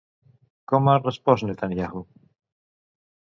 Com ha respost Netanyahu?